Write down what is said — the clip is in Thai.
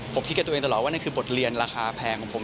ผมคิดกับตัวเองตลอดว่านั่นคือบทเรียนราคาแพงของผม